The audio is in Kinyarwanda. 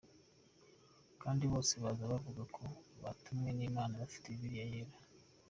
Kandi bose baza bavuga ko batumwe n’Imana bafite Bibiliya yera.